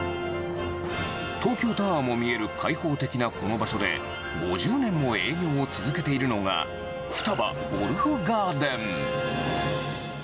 東京タワーも見える開放的なこの場所で、５０年も営業を続けているのが、フタバゴルフガーデン。